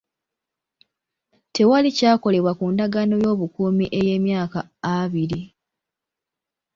Tewali kyakolebwa ku ndagaano y'obukuumi ey'emyaka abiri.